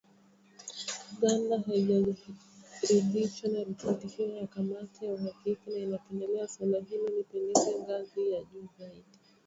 Uganda haijaridhishwa na ripoti hiyo ya kamati ya uhakiki na inapendelea suala hilo lipelekwe ngazi ya juu zaidi